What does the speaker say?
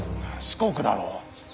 四国だろう。